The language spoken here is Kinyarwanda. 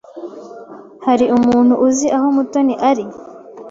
Hari umuntu uzi aho Mutoni ari?